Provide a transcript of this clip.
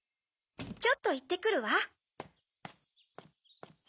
ちょっといってくるわ。